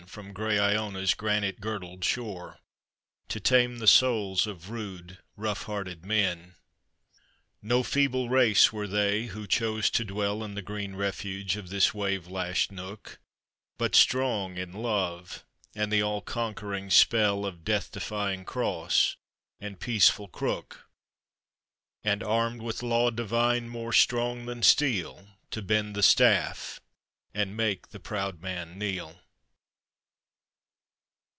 From gray lona's granite girdled shore To tame thewuUof rude rough hearted men >o feeble race were they who chose to dwell ' In the green refuge of this wave lashed nook But strong in love, and the all conqu ring 8pt.li )f death defying cross, and peaceful crook And armed with law divine more strong thai, steel, To bend the staff, and make the proud man kneel.